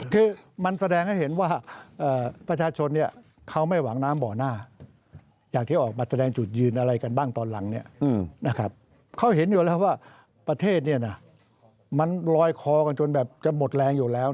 คือมันแสดงให้เห็นว่า